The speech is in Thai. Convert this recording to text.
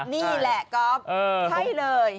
นี่แหละก๊อฟใช่เลย